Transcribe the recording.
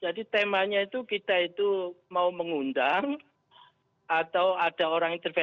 jadi temanya itu kita mau mengundang